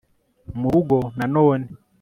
murugo na none